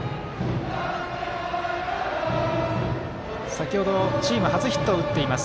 先ほど、チーム初ヒットを打っています